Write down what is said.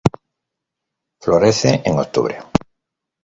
Florece en octubre.